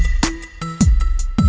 gak ada yang nungguin